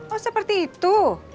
oh seperti itu